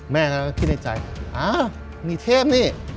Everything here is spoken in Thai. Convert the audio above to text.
แม่ก็คิดในใจอ้าวนี่เทพนี่